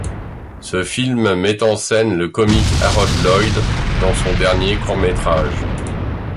Ce film met en scène le comique Harold Lloyd dans son dernier court métrage.